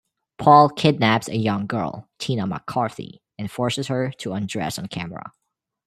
Paul kidnaps a young girl, Tina McCarthy, and forces her to undress on camera.